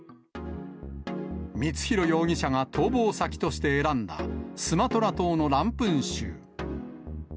光弘容疑者が逃亡先として選んだスマトラ島のランプン州。